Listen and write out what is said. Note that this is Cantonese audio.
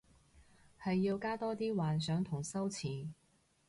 係要加多啲幻想同修辭